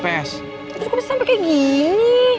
terus kok bisa sampai kayak gini